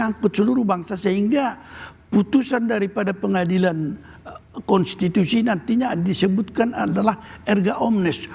mengangkut seluruh bangsa sehingga putusan daripada pengadilan konstitusi nantinya disebutkan adalah erga omnes